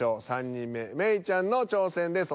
３人目芽郁ちゃんの挑戦です。